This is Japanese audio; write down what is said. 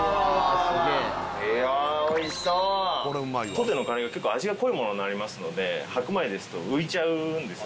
当店のカレーは結構味が濃いものになりますので白米ですと浮いちゃうんです